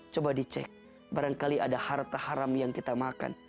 coba dicek barangkali ada harta haram yang kita makan